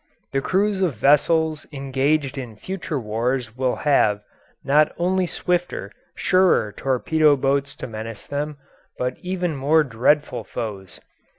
The crews of vessels engaged in future wars will have, not only swifter, surer torpedo boats to menace them, but even more dreadful foes.